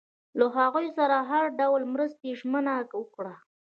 له هغوی سره یې د هر ډول مرستې ژمنه وکړه.